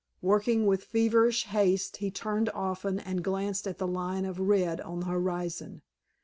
Working with feverish haste he turned often and glanced at the line of red on the horizon.